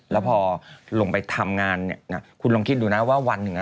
แล้วพอลงไปทำงานคุณลองคิดดูนะว่าวันหนึ่ง